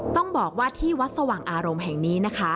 ต้องบอกว่าที่วัดสว่างอารมณ์แห่งนี้นะคะ